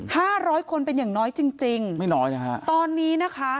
ห้าร้อยคนเป็นอย่างน้อยจริงตอนนี้นะคะ